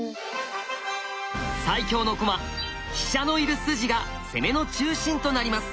最強の駒飛車のいる筋が攻めの中心となります。